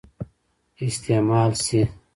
استعمال سي.